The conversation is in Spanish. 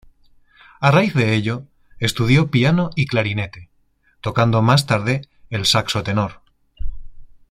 A raíz de ello, estudió piano y clarinete, tocando más tarde el saxo tenor.